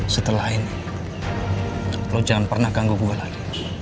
setelah ini lo jangan pernah ganggu buah lagi